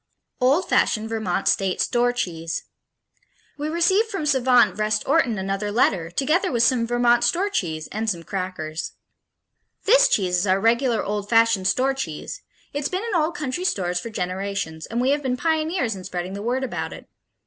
Old Fashioned Vermont State Store Cheese We received from savant Vrest Orton another letter, together with some Vermont store cheese and some crackers. This cheese is our regular old fashioned store cheese it's been in old country stores for generations and we have been pioneers in spreading the word about it.